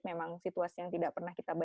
memang situasi yang tidak pernah kita